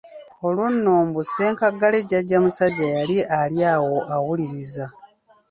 Olwo nno mbu ne Ssenkaggale Jjajja musajja yali ali awo awuliriza.